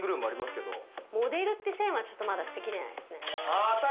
モデルって線はまだ捨てきれないですね。